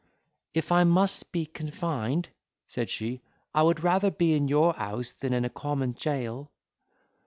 "If I must be confined," said she, "I would rather be in your house than in a common jail."